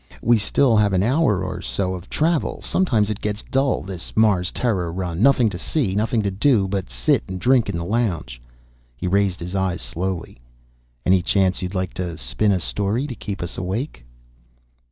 "We still have an hour or so of travel. Sometimes it gets dull, this Mars Terra run. Nothing to see, nothing to do but sit and drink in the lounge." He raised his eyes slowly. "Any chance you'd like to spin a story to keep us awake?"